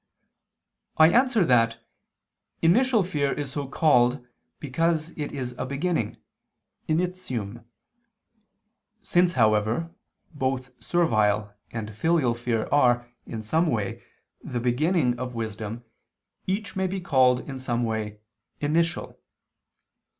I answer that, Initial fear is so called because it is a beginning (initium). Since, however, both servile and filial fear are, in some way, the beginning of wisdom, each may be called in some way, initial.